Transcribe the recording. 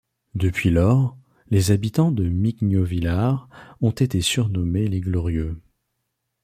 Depuis lors, les habitants de Mignovillard ont été surnommés les Glorieux.